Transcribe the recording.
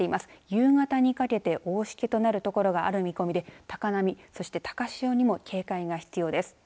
夕方にかけて大しけとなる所がある見込みで高波、そして高潮にも警戒が必要です。